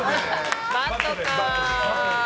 バッドか。